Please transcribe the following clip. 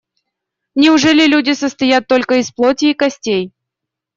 Неужели люди состоят только из плоти и костей?